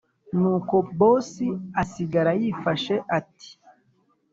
nuko boss asigara yifashe ati